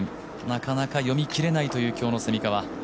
なかなか読み切れないという今日の蝉川。